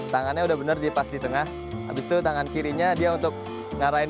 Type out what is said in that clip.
tangannya sudah bener dipass di tengah habis itu tangan kirinya dia untuk ngarahin